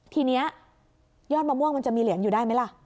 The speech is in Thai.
ทีนี้ยอดมะม่วงมันจะมีเหรียญอยู่ได้ไหมล่ะ